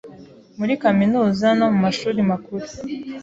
Muri Kaminuza no mu Mashuri Makuru.